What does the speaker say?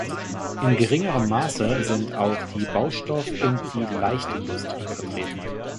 In geringerem Maße sind auch die Baustoff- und die Leichtindustrie vertreten.